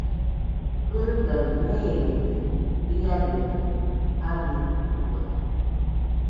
Kɨrɨgaɨ meerede, iadedɨ abɨitɨkue.